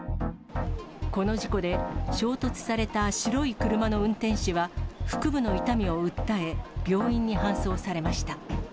この事故で、衝突された白い車の運転手は腹部の痛みを訴え、病院に搬送されました。